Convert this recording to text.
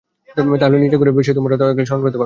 তাহলে নিজের ঘরে বসেই তোমরা তাকে স্মরণ করতে পারবে।